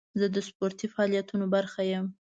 زه د سپورتي فعالیتونو برخه یم.